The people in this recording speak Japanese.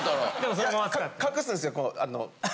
こう隠すんですよ。